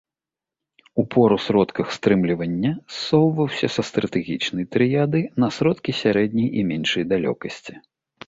Упор у сродках стрымлівання ссоўваўся са стратэгічнай трыяды на сродкі сярэдняй і меншай далёкасці.